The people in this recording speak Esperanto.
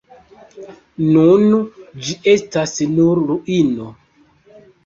Nun ĝi estas nur ruino.